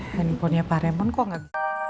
teleponnya pak remon kok nggak